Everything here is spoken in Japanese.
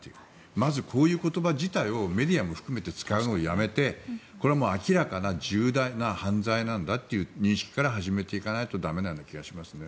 まず、こういう言葉自体をメディアも含めて使うのをやめてこれ、明らかな重大な犯罪なんだという認識から始めていかないと駄目なような気がします。